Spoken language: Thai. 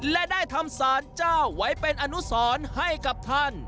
และได้ทำสารเจ้าไว้เป็นอนุสรให้กับท่าน